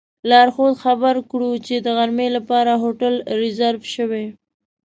لارښود خبر کړو چې د غرمې لپاره هوټل ریزرف شوی.